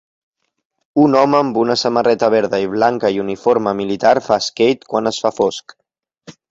Un home amb una samarreta verda i blanca i uniforme militar fa skate quan es fa fosc